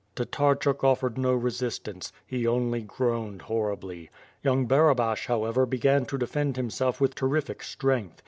Tatarchuk offered no resistance; he only groaned horribly. Young Barabash, however, began to defend himself with ter rific strength.